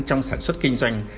trong sản xuất kinh doanh